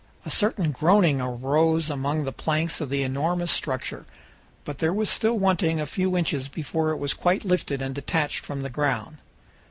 A certain groaning arose among the planks of the enormous structure, but there was still wanting a few inches before it was quite lifted and detached from the ground.